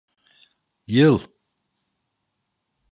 Yıl?